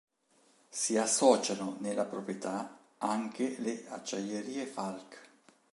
Si associano nella proprietà anche le Acciaierie Falck.